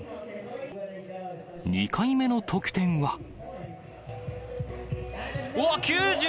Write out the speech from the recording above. ２回目の得点は。